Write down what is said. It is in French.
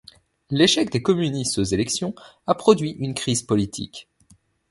L'échec des communistes aux élections a produit une crise politique.